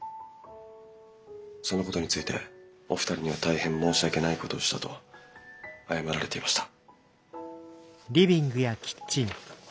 そのことについてお二人には大変申し訳ないことをしたと謝られていました。